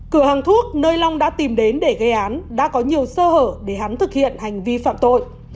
cửa hàng thuốc nơi long đã tìm đến để gây án đã có nhiều sơ hở để hắn thực hiện hành vi phạm tội